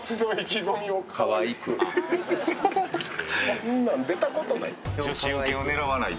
こんなん出たことない。